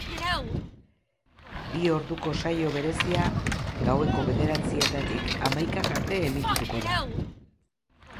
Bi orduko saio berezia gaueko bederatzietatik hamaikak arte emitituko da.